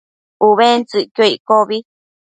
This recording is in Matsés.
Ubentsëcquio iccobi